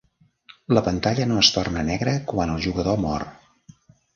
La pantalla no es torna negre quan el jugador mor.